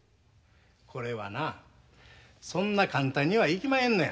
これはなそんな簡単にはいきまへんのや。